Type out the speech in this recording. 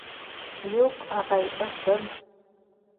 — Юҡ, ағай, ысын.